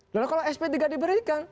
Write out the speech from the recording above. karena kalau sp tiga diberikan